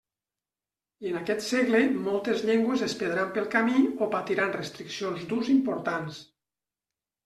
I en aquest segle moltes llengües es perdran pel camí o patiran restriccions d'ús importants.